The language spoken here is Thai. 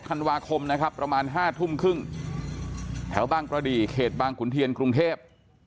ธันวาคมนะครับประมาณ๕ทุ่มครึ่งแถวบางกระดีเขตบางขุนเทียนกรุงเทพ